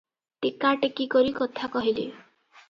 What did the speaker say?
ଟେକା ଟେକି କରି କଥା କହିଲେ ।